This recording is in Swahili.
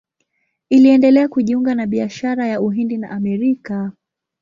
Iliendelea kujiunga na biashara ya Uhindi na Amerika.